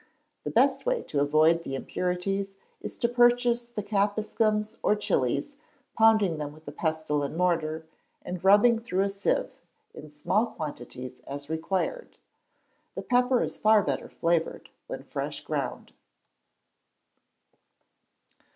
The best way to avoid the impurities is to purchase the capsicums or chilies, pounding them with a pestle and mortar, and rubbing through a sieve, in small quantities as required. The pepper is far better flavoured when fresh ground.